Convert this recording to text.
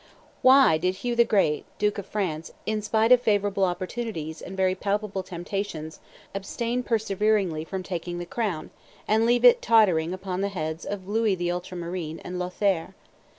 Why did Hugh the Great, duke of France, in spite of favorable opportunities and very palpable temptations, abstain perseveringly from taking the crown, and leave it tottering upon the heads of Louis the Ultramarine and Lothaire?